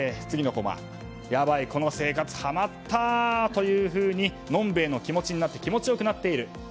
やばい、この生活ハマったというようにのんべえの気持ちになって気持ちよくなっている。